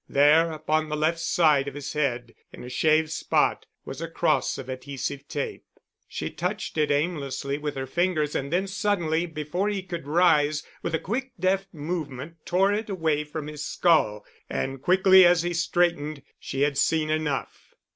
There upon the left side of his head in a shaved spot was a cross of adhesive tape. She touched it aimlessly with her fingers and then suddenly, before he could rise, with a quick deft movement tore it away from his skull. And quickly as he straightened she had seen enough.